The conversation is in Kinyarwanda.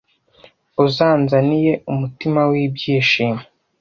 Uzanzaniye umutima wibyishimo